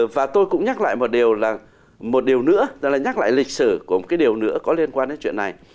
và tôi cũng nhắc lại một điều nữa nhắc lại lịch sử của một cái điều nữa có liên quan đến chuyện này